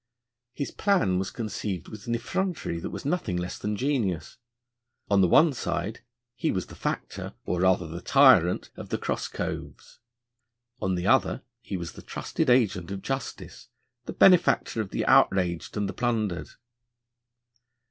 His plan was conceived with an effrontery that was nothing less than genius. On the one side he was the factor, or rather the tyrant, of the cross coves: on the other he was the trusted agent of justice, the benefactor of the outraged and the plundered.